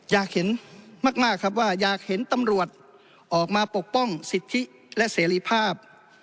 อยากเห็นมากครับว่าอยากเห็นตำรวจออกมาปกป้องสิทธิและเสรีภาพ